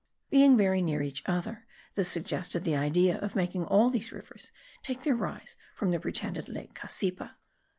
being very near each other, this suggested the idea of making all these rivers take their rise from the pretended lake Cassipa.